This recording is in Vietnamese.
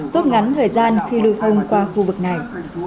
rút ngắn thời gian khi lưu thông qua khu vực này